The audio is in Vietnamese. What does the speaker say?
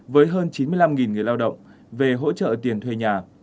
với hơn chín mươi năm người lao động về hỗ trợ tiền thuê nhà